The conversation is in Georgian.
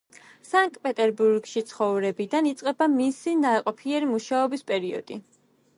სანკტ-პეტერბურგში ცხოვრებიდან იწყება მისი ნაყოფიერი მუშაობის პერიოდი.